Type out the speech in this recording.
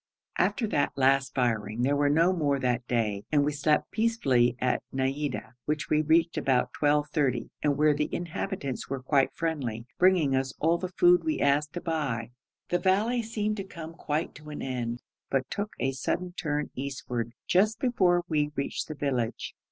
After that last firing there was no more that day, and we slept peacefully at Naïda, which we reached about 12.30, and where the inhabitants were quite friendly, bringing us all the food we asked to buy. The valley seemed to come quite to an end, but took a sudden turn eastward just before we reached the village.